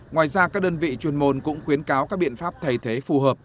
ngoài ra các đơn vị chuyên môn cũng khuyến cáo các biện pháp thay thế phù hợp